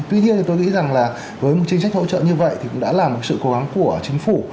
tuy nhiên thì tôi nghĩ rằng là với một chính sách hỗ trợ như vậy thì cũng đã là một sự cố gắng của chính phủ